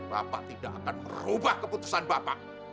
bapak tidak akan merubah keputusan bapak